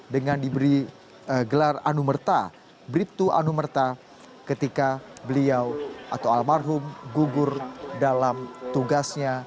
dengan diberi gelar anumerta bribtu anumerta ketika beliau atau almarhum gugur dalam tugasnya